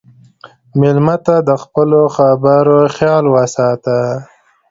مېلمه ته د خپلو خبرو خیال وساته.